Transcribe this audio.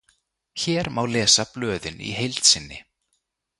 Hér má lesa blöðin í heild sinni.